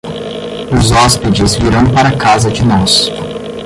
Os hóspedes virão para casa de nós.